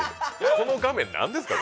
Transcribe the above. この画面何ですか？